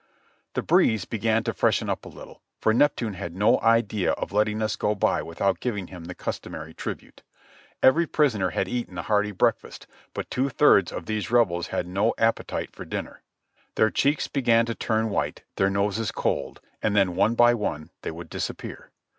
The breeze began to freshen up a little, for Neptune had no idea of letting us go by without giving him the customary tribute. Every prisoner had eaten a hearty breakfast, but two thirds of these Rebels had no appetite for dinner. Their cheeks began to turn white, their noses cold, and then one by one they would dis appear.